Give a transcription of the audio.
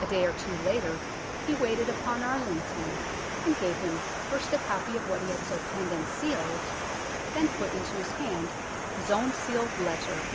A day or two later he waited upon Arlington, and gave him first a copy of what he had so penned and sealed, then put into his hand his own sealed letter.